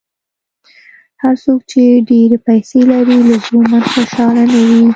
هر څوک چې ډېرې پیسې لري، لزوماً خوشاله نه وي.